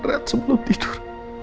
rekat sebelum tidur